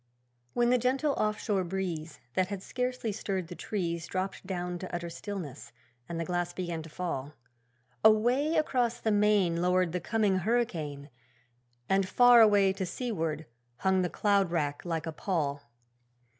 When the gentle off shore breeze, That had scarcely stirred the trees, Dropped down to utter stillness, and the glass began to fall, Away across the main Lowered the coming hurricane, And far away to seaward hung the cloud wrack like a pall.